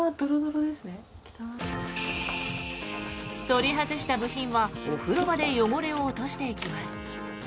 取り外した部品はお風呂場で汚れを落としていきます。